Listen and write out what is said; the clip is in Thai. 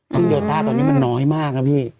ซึ่งโยต้าตอนนี้มันน้อยมากนะพี่